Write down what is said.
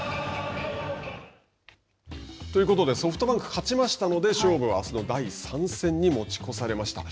ということで、ソフトバンク勝ちましたので、勝負は、あすの第３戦に持ち越されました。